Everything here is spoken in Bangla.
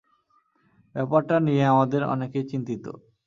ব্যাপারটা নিয়ে আমরা অনেকেই চিন্তিত।